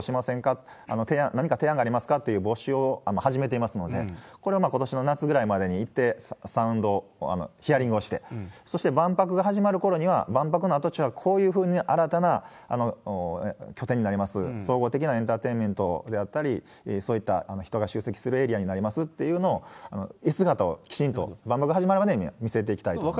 と、何か提案、募集を始めていますので、これをことしの夏ぐらいまでに一定サウンド、ヒアリングをして、そして万博が始まるころには、万博の跡地はこういうふうに新たな拠点になります、総合的なエンターテインメントであったり、そういった人が集積するエリアになりますっていうのを、姿をきちんと、万博始まるまでには見せていきたいと思います。